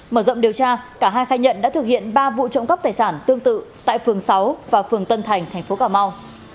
mở rộng điều tra cả hai khai nhận đã thực hiện ba vụ trộm cắp tài sản tương tự tại phường sáu và phường tân thành thành phố cà mau